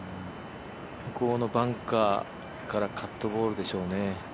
向こうのバンカーからカットボールでしょうね。